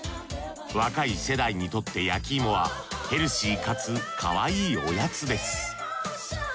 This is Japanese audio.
若い世代にとって焼き芋はヘルシーかつかわいいおやつです